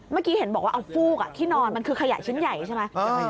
เมื่อกี้เห็นบอกว่าเอาฟูกที่นอนมันคือขยะชิ้นใหญ่ใช่ไหม